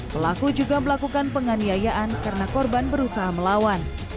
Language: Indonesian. pelaku juga melakukan penganiayaan karena korban berusaha melawan